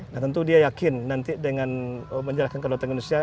dan tentu dia yakin nanti dengan menyerahkan kekuasanya ke indonesia